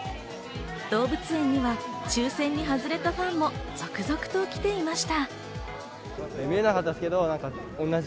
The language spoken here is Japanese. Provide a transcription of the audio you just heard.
動物園には抽選に外れたファンも続々と来ていました。